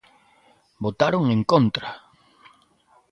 ¡Votaron en contra!